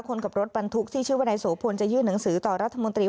คนขับรถบรรทุกที่ชื่อว่านายโสพลจะยื่นหนังสือต่อรัฐมนตรี